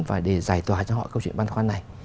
và để giải tỏa cho họ câu chuyện băn khoăn này